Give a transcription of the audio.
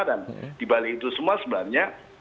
dan di balik itu semua sebenarnya